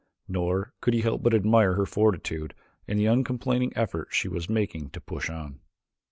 Nor could he help but admire her fortitude and the uncomplaining effort she was making to push on.